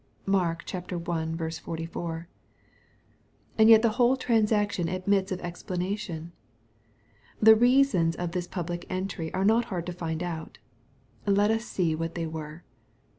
(Mark i. 44.) And yet the whole transaction admits of ex planation. The reasons of this public entry are not hard to find out. — Let us see what they were.